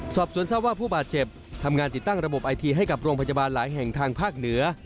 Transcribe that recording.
สอบสวนทราบว่าผู้บาดเจ็บทำงานติดตั้งระบบไอทีให้กับโรงพยาบาลหลายแห่งทางภาคเหนือ